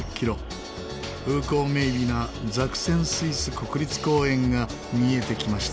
風光明媚なザクセン・スイス国立公園が見えてきました。